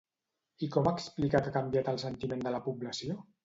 I com explica que ha canviat el sentiment de la població?